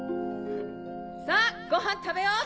さぁごはん食べよう！